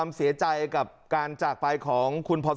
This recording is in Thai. และก็มีการกินยาละลายริ่มเลือดแล้วก็ยาละลายขายมันมาเลยตลอดครับ